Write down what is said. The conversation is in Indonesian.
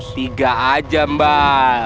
tiga aja bal